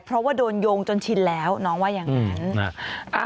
เพราะว่าโดนโยงจนชินแล้วน้องว่าอย่างนั้น